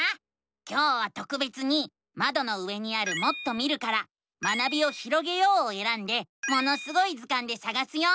今日はとくべつにまどの上にある「もっと見る」から「学びをひろげよう」をえらんで「ものすごい図鑑」でさがすよ。